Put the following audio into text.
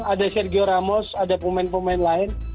ada sergio ramos ada pemain pemain lain